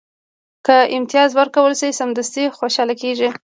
که امتیاز ورکړل شي، سمدستي خوشاله کېږي.